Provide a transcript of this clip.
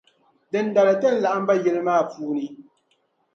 Dindali tini laɣim ba yili maa puuni.